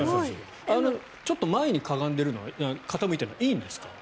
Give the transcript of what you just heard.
ちょっと前にかがんでるのは傾いてるのはいいんですか。